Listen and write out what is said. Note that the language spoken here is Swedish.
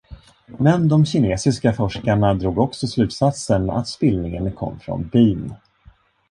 Men de kinesiska forskarna drog också slutsatsen att spillningen kom från bin.